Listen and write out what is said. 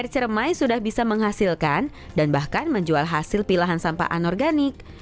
tps tiga r cermai sudah bisa menghasilkan dan bahkan menjual hasil pilahan sampah anorganik